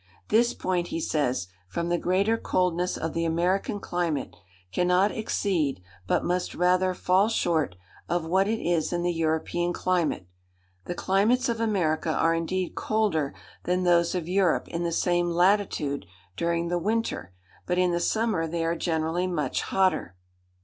This point, he says, from the greater coldness of the American climate, cannot exceed, but must rather fall short, of what it is in the European climate. The climates of America are indeed colder than those of Europe in the same latitude during the winter, but in the summer they are generally much hotter.